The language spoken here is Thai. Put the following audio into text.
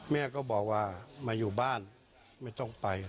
แม่ก็บอกว่ามาอยู่บ้านไม่ต้องไป